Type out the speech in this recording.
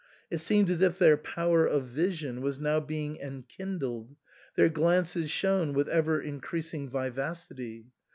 It seemed as if their power of vision was now being enkindled ; their glances shone with ever increasing vivacity.